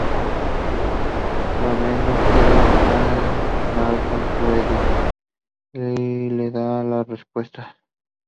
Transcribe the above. Raven no quiere estar mal con Eddie, y le da las respuestas.